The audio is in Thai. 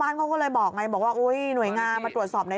เขาก็เลยบอกไงบอกว่าอุ้ยหน่วยงานมาตรวจสอบหน่อย